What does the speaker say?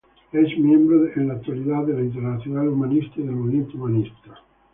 Es miembro en la actualidad de la Internacional Humanista y del Movimiento Humanista.